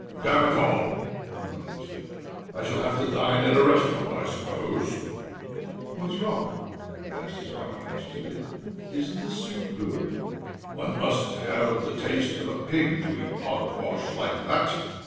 "Damn it all!" he mutters; "I shall have to dine at a restaurant, I suppose." "What's wrong?" asks his wife anxiously. "Isn't the soup good?" "One must have the taste of a pig to eat hogwash like that!